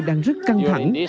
đang rất căng thẳng